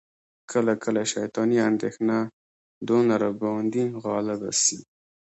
کله کله شیطاني اندیښنه دونه را باندي غالبه سي،